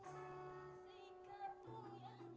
sikapmu yang menukar ku dan sayang